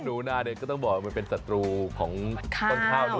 หนูนาเนี่ยก็ต้องบอกมันเป็นศัตรูของต้นข้าวด้วย